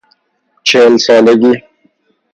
چهل سالگی